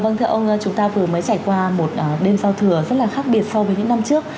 vâng thưa ông chúng ta vừa mới trải qua một đêm giao thừa rất là khác biệt so với những năm trước